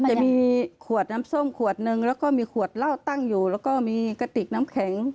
จะมีขวดน้ำส้มขวดนึงแล้วก็มีขวดเหล้าตั้งอยู่แล้วก็มีกระติกน้ำแข็ง